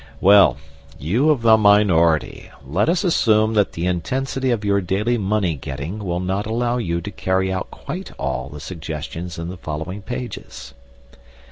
Well, you of the minority, let us assume that the intensity of your daily money getting will not allow you to carry out quite all the suggestions in the following pages.